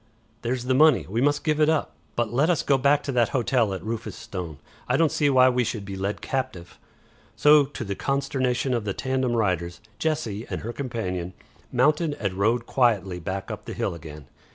There's the money. We must give it up. But let us go back to that hotel at Rufus Stone. I don't see why we should be led captive." So to the consternation of the tandem riders, Jessie and her companion mounted and rode quietly back up the hill again.